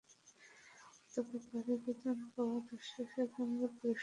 তবে পরে বেতন পাওয়ার আশ্বাসে আগামীকাল বৃহস্পতিবার কাজে যোগ দেবেন তাঁরা।